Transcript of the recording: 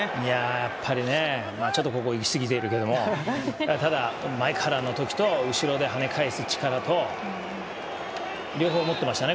やっぱりね、ちょっとここ行き過ぎてるけどもただ前からの時と後ろで跳ね返す力と両方持ってましたね